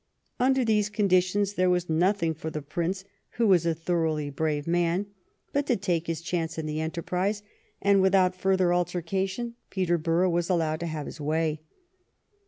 Under these conditions there was nothing for the Prince, who was a thoroughly brave man, but to take his chance in the enterprise, and without further altercation Peterborough was allowed to have his way.